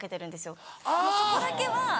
そこだけは。